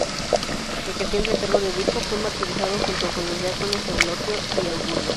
Ejerciendo el cargo de obispo, fue martirizado junto con los diáconos Eulogio y Augurio.